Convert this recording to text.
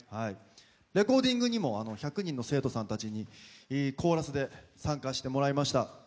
レコーディングにも１００人の生徒さんにコーラスで参加していただきました。